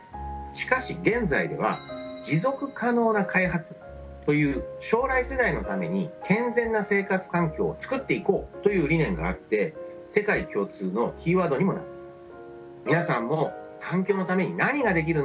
しかし現在では持続可能な開発という将来世代のために健全な生活環境をつくっていこうという理念があって世界共通のキーワードにもなっています。